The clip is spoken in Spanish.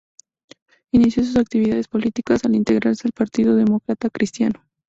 Inició sus actividades políticas al integrarse al Partido Demócrata Cristiano.